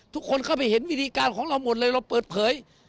เข้าไปเห็นวิธีการของเราหมดเลยเราเปิดเผย